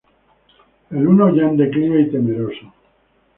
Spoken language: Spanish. El uno, ya en declive y temeroso.